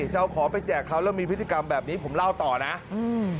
เจ้าของไปแจกเขาแล้วมีพฤติกรรมแบบนี้ผมเล่าต่อนะอืม